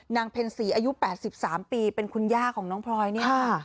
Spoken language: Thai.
เพ็ญศรีอายุ๘๓ปีเป็นคุณย่าของน้องพลอยเนี่ย